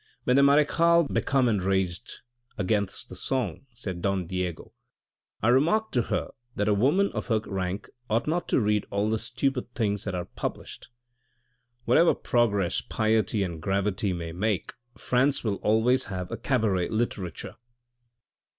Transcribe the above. " When the marechale become enraged against that song," said Don Diego, " I remarked to her that a woman of her rank ought not to read all the stupid things that are published. Whatever progress piety and gravity may make France will always have a cabaret literature.